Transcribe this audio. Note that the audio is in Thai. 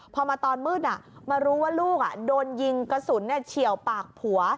พอมาตอนมืดมารู้ว่าลูกโดนยิงกระสุนเฉียวปากผัว